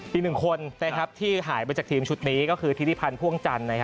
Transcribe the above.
อีกหนึ่งคนที่หายไปจากทีมชุดนี้ก็คือธิริพันธ์พ่วงจันทร์